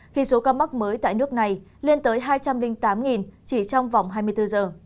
khi số ca mắc mới tại nước này lên tới hai trăm linh tám chỉ trong vòng hai mươi bốn giờ